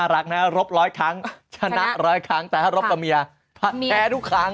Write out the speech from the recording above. รักนะรบร้อยครั้งชนะร้อยครั้งแต่ถ้ารบกับเมียแพ้ทุกครั้ง